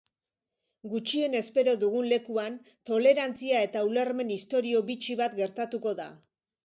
Gutxien espero dugun lekuan, tolerantzia eta ulermen istorio bitxi bat gertatuko da.